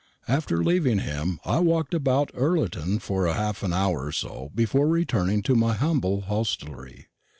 After leaving him, I walked about Ullerton for an hour or so before returning to my humble hostelry.